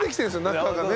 中がね。